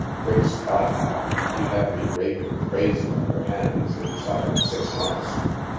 " Great Scott, Al, you'd have me raving crazy on your hands, inside of six months.